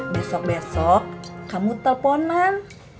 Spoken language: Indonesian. besok besok kamu telponan